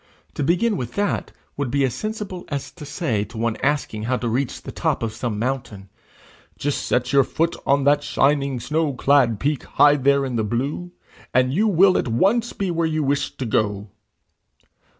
To begin with that would be as sensible as to say to one asking how to reach the top of some mountain, 'Just set your foot on that shining snow clad peak, high there in the blue, and you will at once be where you wish to go.'